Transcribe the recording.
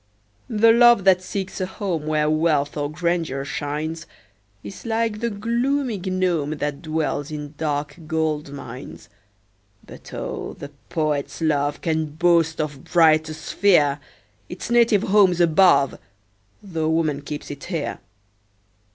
The love that seeks a home Where wealth or grandeur shines, Is like the gloomy gnome, That dwells in dark gold mines. But oh! the poet's love Can boast a brighter sphere; Its native home's above, Tho' woman keeps it here.